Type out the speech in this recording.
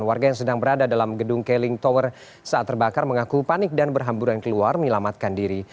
warga yang sedang berada dalam gedung keling tower saat terbakar mengaku panik dan berhamburan keluar menyelamatkan diri